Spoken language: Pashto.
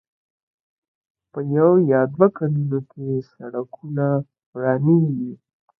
په يو يا دوو کلونو کې سړکونه ورانېږي.